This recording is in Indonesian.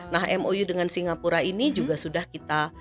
nah mou dengan singapura ini juga sudah kita